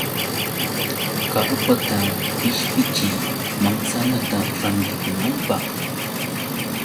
Karpata qishpichiy manzanata rantikunaapaq.